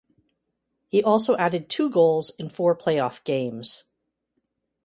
He also added two goals in four playoff games.